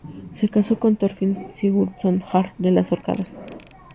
Se casó con Thorfinn Sigurdsson, jarl de las Órcadas.